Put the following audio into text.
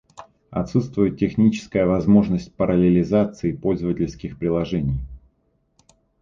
Отсутствует техническая возможность параллелизации пользовательских приложений